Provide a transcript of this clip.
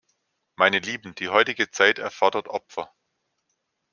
Meine Lieben, die heutige Zeit erfordert Opfer!